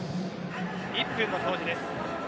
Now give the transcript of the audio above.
１分の表示です。